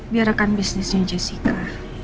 dia rekan bisnisnya jessica